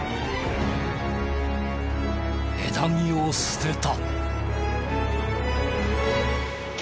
枝木を捨てた。